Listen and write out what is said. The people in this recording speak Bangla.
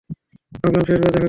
ভাবলাম শেষবার দেখা করে নেই।